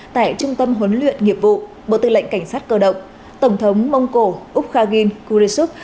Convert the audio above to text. tại trung tâm huấn luyện nghiệp vụ bộ tư lệnh cảnh sát cơ động tổng thống mông cổ úc khagin kurechuk